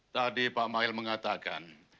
tadi pak mail mengatakan